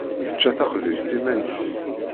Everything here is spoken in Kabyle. Tečča taxbizt iman-is.